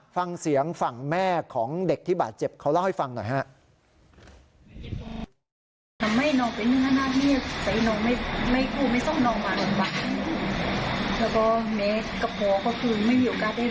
ฟังเสียงฝั่งแม่ของเด็กที่บาดเจ็บเขาเล่าให้ฟังหน่อยฮะ